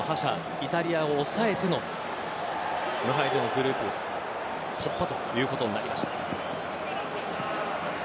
イタリアを抑えての無敗でのグループ突破ということになりました。